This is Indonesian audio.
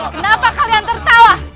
kenapa kalian tertawa